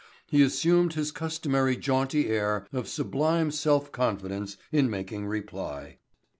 He assumed his customary jaunty air of sublime self confidence in making reply.